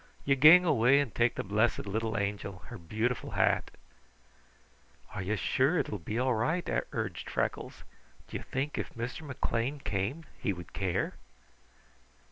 Ye gang awa and take the blessed little angel her beautiful hat." "Are you sure it will be all right?" urged Freckles. "Do you think if Mr. McLean came he would care?"